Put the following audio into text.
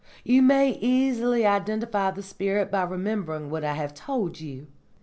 You may easily identify the spirit by remembering what I have told you.